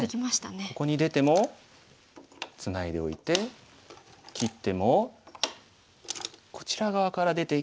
ここに出てもツナいでおいて切ってもこちら側から出ていけば脱出ですね。